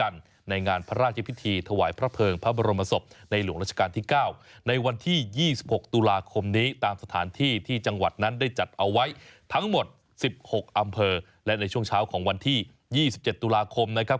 ทั้งหมด๑๖อำเภอและในช่วงเช้าของวันที่๒๗ตุลาคมนะครับ